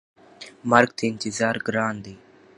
مرګ ته انتظار ګران دی.